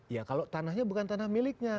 ya kalau tanahnya bukan tanah miliknya